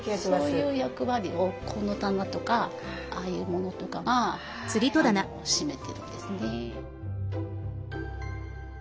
そういう役割をこの棚とかああいうものとかが占めてるんですね。